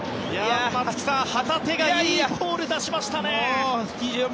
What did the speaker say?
松木さん、旗手がいいボールを出しましたね。